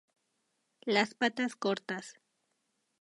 Las patas cortas.